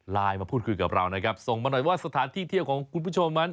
มาพูดคุยกับเรานะครับส่งมาหน่อยว่าสถานที่เที่ยวของคุณผู้ชมนั้น